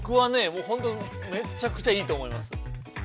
もうほんとめちゃくちゃいいと思います。